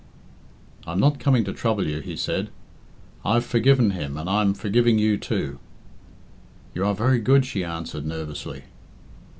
"I'm not coming to trouble you," he said. "I've forgiven him, and I'm forgiving you, too." "You are very good," she answered nervously.